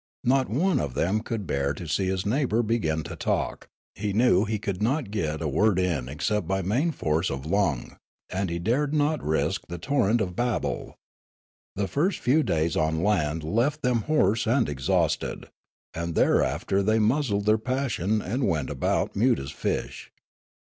Not one of them could bear to see his neighbour begin to talk; he knew he could not get a word in except bj' main force of lung, and he dared not risk the torrent of babble. The first few days on land left them hoarse and exhausted ; and thereafter the}^ muzzled their passion and went about mute as fish.